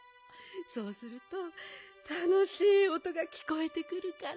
そうするとたのしいおとがきこえてくるから。